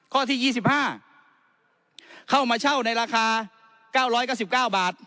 ข้อที่ยี่สิบห้าเข้ามาเช่าในราคาเก้าร้อยกับสิบเก้าบาท